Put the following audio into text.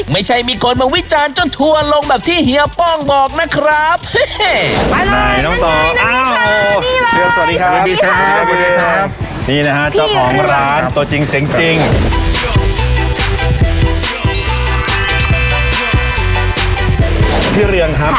ไม่ใช่มีคนมาวิจารณ์จนทัวร์ลงแบบที่เฮียป้องบอกนะครับ